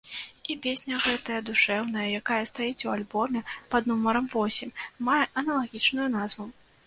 І песня гэтая душэўная, якая стаіць у альбоме пад нумарам восем, мае аналагічную назву.